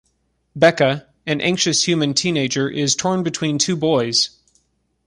Becca, an anxious human teenager, is torn between two boys.